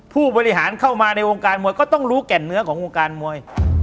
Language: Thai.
ผู้บริหารเข้ามาในวงการมวยก็ต้องรู้แก่นเนื้อของวงการมวย